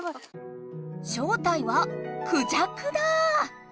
正体はクジャクだ！